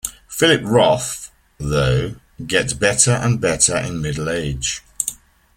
Philip Roth, though, gets better and better in middle age.